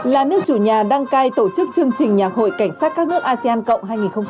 là nước chủ nhà đăng cai tổ chức chương trình nhạc hội cảnh sát các nước asean cộng hai nghìn hai mươi